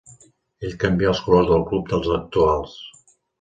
Ell canvià els colors del club als actuals.